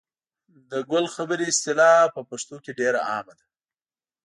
د ګل خبرې اصطلاح په پښتو کې ډېره عامه ده.